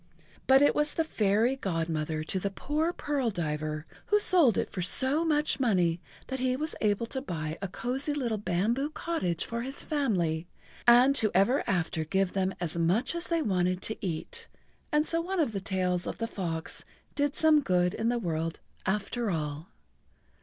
But it was the fairy godmother to the poor pearl diver, who sold it for so much money that he was able to buy a cozy little bamboo[Pg 91] cottage for his family and to ever after give them as much as they wanted to eat, and so one of the tails of the fox did some good in the world after all.